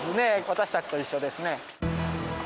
私たちと一緒ですね。